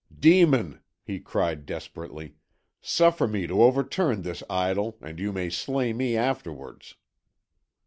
"'Demon,' he cried desperately, 'suffer me to overturn this idol, and you may slay me afterwards.'